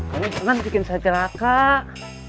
ini senang bikin sajerah kak